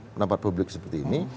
pendapat publik seperti ini